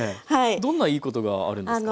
どんないいことがあるんですか？